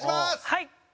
はい。